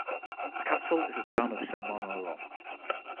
The capital is the town of Senmonorom.